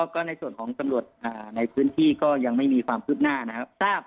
ก็ในส่วนของตำรวจในพื้นที่ก็ยังไม่มีความคืบหน้านะครับ